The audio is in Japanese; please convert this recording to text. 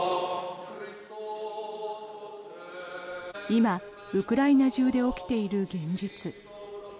今、ウクライナ中で起きている現実。